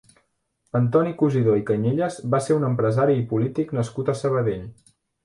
Antoni Cusidó i Cañellas va ser un empresari i polític nascut a Sabadell.